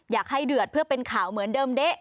เดือดเพื่อเป็นข่าวเหมือนเดิมเดะ